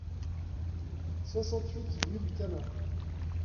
soixante-huit rue du Cammas